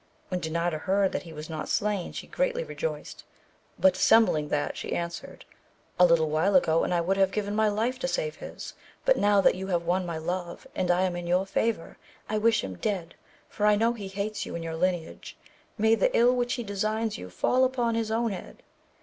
When Dinarda heard that he was not slain she greatly rejoiced, but dissembling that she answered, a little while ago and 1 would have given my life to save his, but now that you have won my love, and I am in your favour, I wish him dead, for I know he hates you and your lin eage ; may the ill which he designs you fall upon his own head